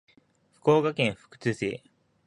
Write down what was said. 福岡県福津市